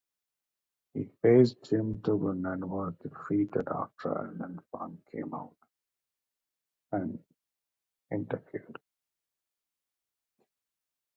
He faced Jim Duggan and was defeated after Allan Funk came out an interfered.